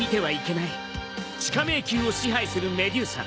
地下迷宮を支配するメデューサ。